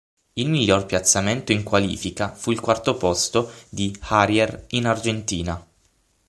Il miglior piazzamento in qualifica fu il quarto posto di Jarier in Argentina.